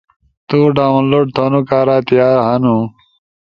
تو ڈاونلوڈ تھونو کارا تیار ہنو